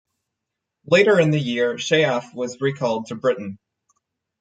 Later in the year, Sheaffe was recalled to Britain.